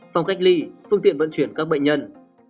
phòng cách ly phương tiện vận chuyển các bệnh nhân